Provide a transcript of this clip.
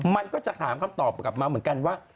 มันก็จะถามคำตอบกลับมาเหมือนกันว่า